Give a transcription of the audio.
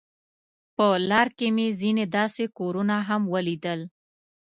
په لار کې مې ځینې داسې کورونه هم ولیدل.